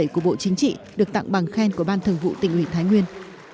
của bộ chính trị được tặng bằng khen của ban thường vụ tỉnh ủy thái nguyên